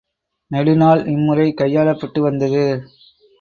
நெடுநாள் இம்முறை கையாளப்பட்டு வந்தது.